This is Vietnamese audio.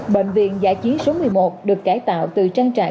bệnh viện giả chiến số một mươi một được cải tạo từ trang trại